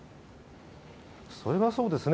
それはそうですね。